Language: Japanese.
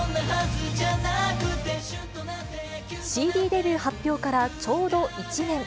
ＣＤデビュー発表からちょうど１年。